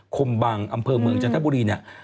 คมบังอำเภอเมืองจันทบุรีเนี่ย